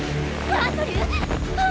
アンドリュー？